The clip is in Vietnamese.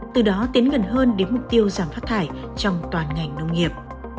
từ đó tiến gần hơn đến mục tiêu giảm phát thải trong toàn ngành nông nghiệp